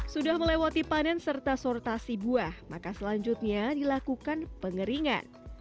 sudah melewati panen serta sortasi buah maka selanjutnya dilakukan pengeringan